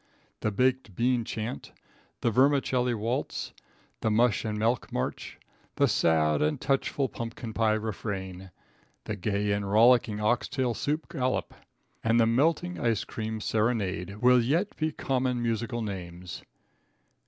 The Baked Bean Chant, the Vermicelli Waltz, the Mush and Milk March, the sad and touchful Pumpkin Pie Refrain, the gay and rollicking Oxtail Soup Gallop, and the melting Ice Cream Serenade will yet be common musical names.